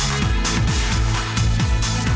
ayolah bernyanyi gak boleh berseru